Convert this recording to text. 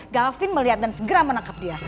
gavin melihat dan segera menangkap dia